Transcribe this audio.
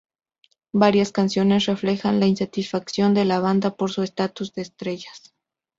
Varias canciones reflejan la insatisfacción de la banda por su estatus de estrellas.